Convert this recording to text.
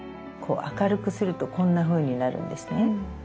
明るくするとこんなふうになるんですね。